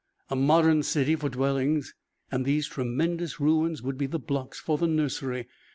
A modern city for dwellings, and these tremendous ruins would be the blocks for the nursery.